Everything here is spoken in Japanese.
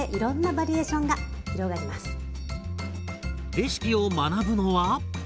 レシピを学ぶのは。